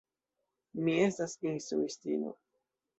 Mi estas instruistino.